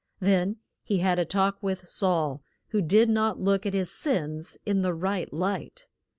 Then he had a talk with Saul, who did not look at his sins in the right light.